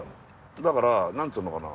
だからなんつうのかな。